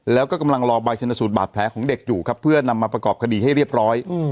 แล้วก็กำลังรอใบชนสูตรบาดแผลของเด็กอยู่ครับเพื่อนำมาประกอบคดีให้เรียบร้อย